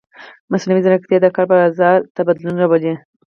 مصنوعي ځیرکتیا د کار بازار ته بدلون راولي.